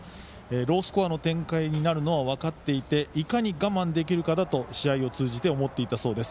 ロースコアの展開になるのは分かっていていかに我慢できるかだと試合を通じて思っていたそうです。